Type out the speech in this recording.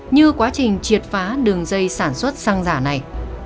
như quá trình triệt phá đường dây sản xuất xăng giả này